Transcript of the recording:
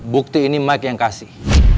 bukti ini mike yang kasih